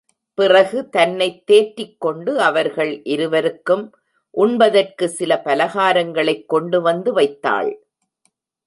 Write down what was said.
பிறகு தன்னைத் தேற்றிக்கொண்டு அவர்கள் இருவருக்கும் உண்பதற்கு சில பலகாரங்களைக் கொண்டுவந்து வைத்தாள்.